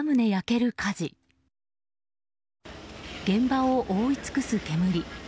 現場を覆い尽くす煙。